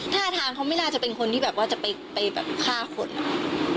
ท่าทางเขาไม่น่าจะเป็นคนที่แบบว่าจะไปแบบฆ่าคนอะ